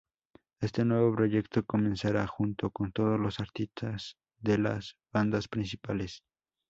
Este nuevo proyecto comenzará junto con todos los artistas de las bandas principales.